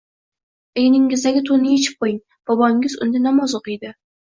— Egningizdagi toʼnni yechib qoʼying, bobongiz unda namoz oʼqiydi.